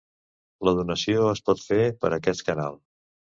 La donació es pot fer per aquest canal.